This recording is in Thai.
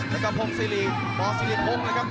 แล้วก็พงศ์ซีรีย์บอร์ซีรีย์พงศ์นะครับ